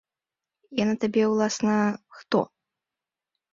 Яна табе, уласна, хто?